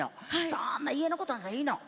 そんな家のことなんかいいの。